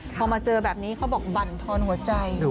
พอมาเจอแบบนี้เขาบอกบั่นทอนหัวใจ